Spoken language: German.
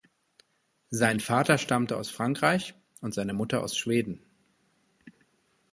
Sein Vater stammte aus Frankreich und seine Mutter aus Schweden.